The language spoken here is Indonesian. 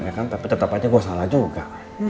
ya kan tapi tetap aja gue salah juga